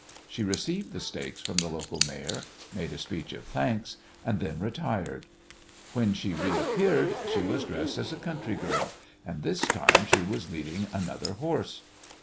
She received the stakes from the local mayor, made a speech of thanks, and then retired. When she reappeared she was dressed as a country girl, and this time she was leading another horse.